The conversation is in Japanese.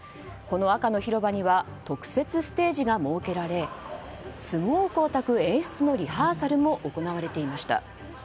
この赤の広場には特設ステージが設けられスモークをたく演出のリハーサルも行われていました。